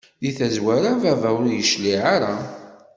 Di tazwara baba ur yecliɛ ara.